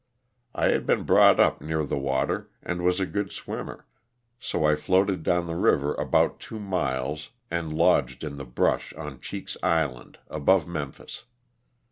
I had been brought up near the water and was a good swimmer, so I floated down the river about two miles and lodged in the brush on Cheek's Island, above Memphis.